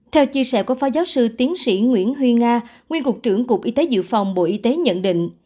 theo chia sẻ của phó giáo sư tiến sĩ nguyễn huy nga nguyên cục trưởng cục y tế dự phòng bộ y tế nhận định